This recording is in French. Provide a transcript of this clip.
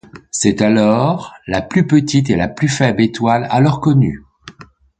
C'était alors la plus petite et la plus faible étoile alors connue.